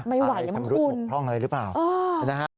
ไม่ไหวนะคุณอาจจะทำรุดหกพร่องอะไรหรือเปล่านะครับ